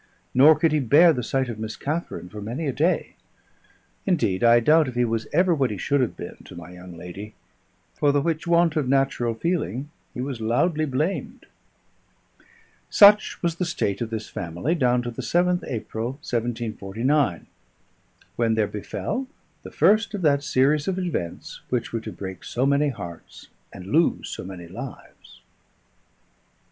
Nor could he bear the sight of Miss Katharine for many a day; indeed, I doubt if he was ever what he should have been to my young lady; for the which want of natural feeling he was loudly blamed. Such was the state of this family down to the 7th April 1749, when there befell the first of that series of events which were to break so many hearts and lose so many lives.